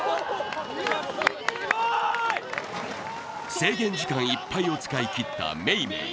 制限時間いっぱいを使い切っためいめい。